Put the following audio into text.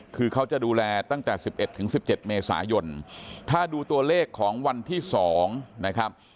คือเขาจะดูแลตั้งแต่๑๑๑๑๗เมษายนถ้าดูตัวเลขของวันที่๒นะครับ